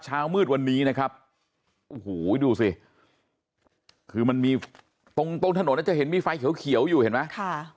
เช้ามืดวันนี้นะครับโอ้โหดูสิคือมันมีตรงตรงถนนจะเห็นมีไฟเขียวอยู่เห็นไหม